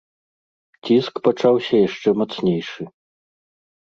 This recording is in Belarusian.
Ціск пачаўся яшчэ мацнейшы.